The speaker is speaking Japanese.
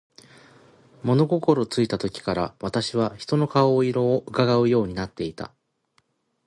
物心ついた時から、私は人の顔色を窺うようになっていた。